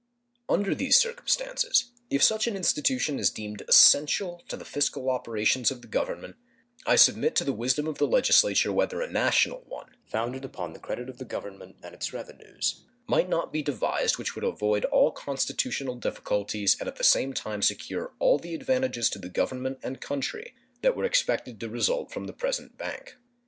Under these circumstances, if such an institution is deemed essential to the fiscal operations of the Government, I submit to the wisdom of the Legislature whether a national one, founded upon the credit of the Government and its revenues, might not be devised which would avoid all constitutional difficulties and at the same time secure all the advantages to the Government and country that were expected to result from the present bank.